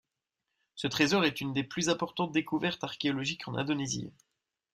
Ce trésor est une des plus importantes découvertes archéologiques en Indonésie.